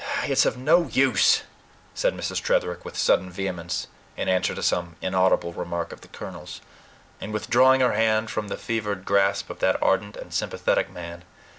"It's of no use," said Mrs. Tretherick with sudden vehemence, in answer to some inaudible remark of the colonel's, and withdrawing her hand from the fervent grasp of that ardent and sympathetic man.